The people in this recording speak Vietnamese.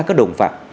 các đồng phạm